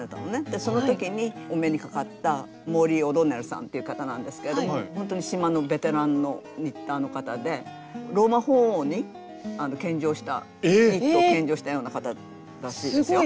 でその時にお目にかかったモーリン・オドンネルさんっていう方なんですけれどもほんとに島のベテランのニッターの方でローマ法王に献上したニットを献上したような方らしいですよ。